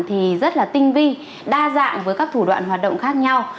thì rất là tinh vi đa dạng với các thủ đoạn hoạt động khác nhau